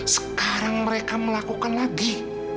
sekarang mereka melakukan lagi